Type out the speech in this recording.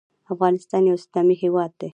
افغانستان یو اسلامي هیواد دی